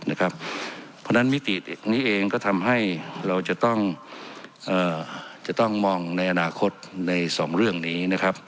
เพราะฉะนั้นมิตินี้เองก็ทำให้เราจะต้องมองในอนาคตในสองเรื่องนี้นะครับ